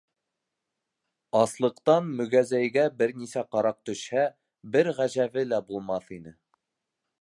Аслыҡтан мөгәзәйгә бер нисә ҡараҡ төшһә, бер ғәжәбе лә булмаҫ ине.